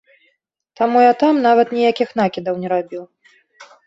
Таму я там нават ніякіх накідаў не рабіў.